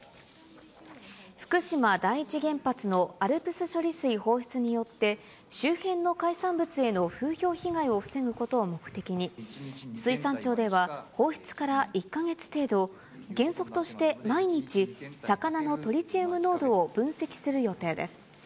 福島第一原発のＡＬＰＳ処理水放出によって、周辺の海産物への風評被害を防ぐことを目的に、水産庁では、放出から１か月程度、原則として毎日、魚のトリチウム濃度を分析する予定です。